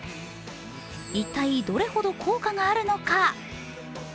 一体、どれほど効果があるのか。